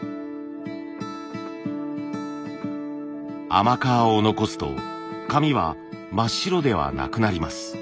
甘皮を残すと紙は真っ白ではなくなります。